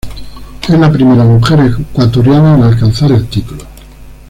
Es la primera mujer ecuatoriana en alcanzar el título.